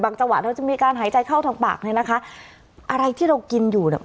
จังหวะเราจะมีการหายใจเข้าทางปากเนี่ยนะคะอะไรที่เรากินอยู่เนี่ย